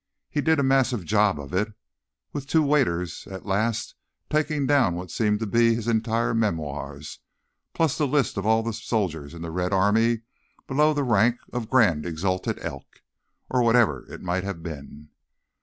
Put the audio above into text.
He did a massive job of it, with two waiters, at last, taking down what seemed to be his entire memoirs, plus the list of all soldiers in the Red Army below the rank of Grand Exalted Elk, or whatever it might have been.